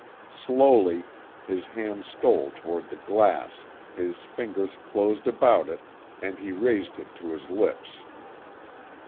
Slowly, his hand stole toward the glass, his fingers closed about it, and he raised it to his lips.